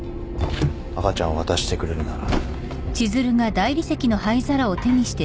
赤ちゃんを渡してくれるなら。